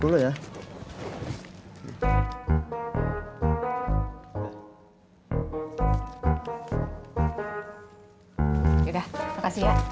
ini udah enak